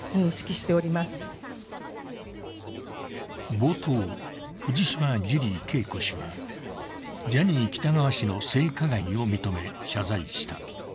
冒頭、藤島ジュリー景子氏はジャニー喜多川氏の性加害を認め謝罪した。